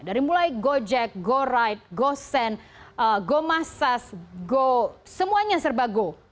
dari mulai gojek goride gosend gomassage semuanya serba go